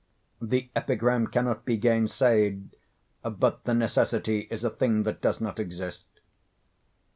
The epigram cannot be gainsayed; but the necessity is a thing that does not exist.